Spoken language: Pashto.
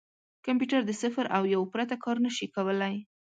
کمپیوټر د صفر او یو پرته کار نه شي کولای.